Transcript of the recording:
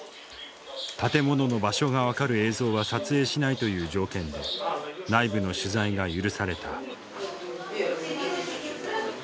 建物の場所が分かる映像は撮影しないという条件で内部の取材が許された。